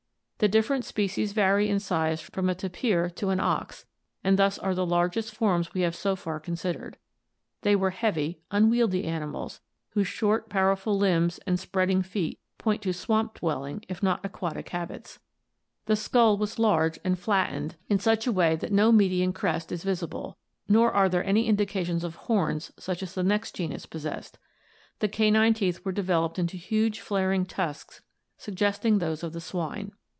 The different species vary in size from a tapir to an ox, and thus are the largest forms we have so far con sidered. They were heavy, unwieldy animals whose short powerful limbs and spreading feet point to swamp dwelling if not aquatic habits. The skull was large and flattened in such a way that no 556 ORGANIC EVOLUTION median crest is visible, nor are there any indications of horns such as the next genus possessed. The canine teeth were developed into huge flaring tusks suggesting those of the swine.